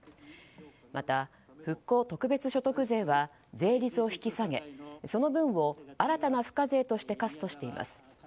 また、復興特別所得税は税率を引き下げ、その分を新たな付加税として課すとしています。